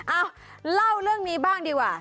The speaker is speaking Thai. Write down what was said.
เอ้าเล่าเรื่องนี้บ้างดีกว่า